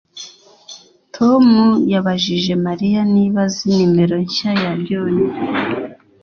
Tom yabajije Mariya niba azi nimero nshya ya John